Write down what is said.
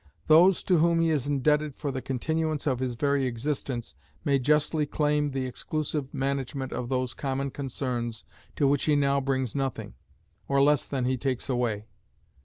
Those to whom he is indebted for the continuance of his very existence may justly claim the exclusive management of those common concerns to which he now brings nothing, or less than he takes away.